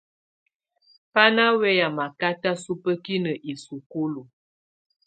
Bá ná wɛyá makátá subǝ́kinǝ isukulu.